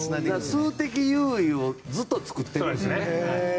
数的優位をずっと作ってるんですね。